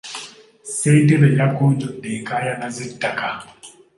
Ssentebe yagonjodde enkaayana z'ettaka.